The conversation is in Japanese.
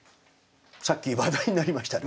さっき話題になりましたね